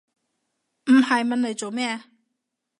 唔係問黎做咩